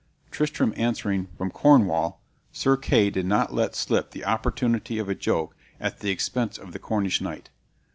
Tristram answering, "From Cornwall," Sir Kay did not let slip the opportunity of a joke at the expense of the Cornish knight.